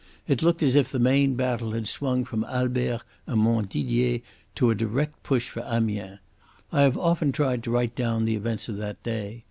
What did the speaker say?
It looked as if the main battle had swung from Albert and Montdidier to a direct push for Amiens. I have often tried to write down the events of that day.